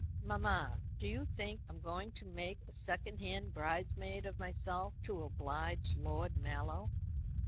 "Mamma, do you think I'm going to make a secondhand bridesmaid of myself to oblige Lord Mallow?